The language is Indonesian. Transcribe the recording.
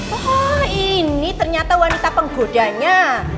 wah ini ternyata wanita penggodanya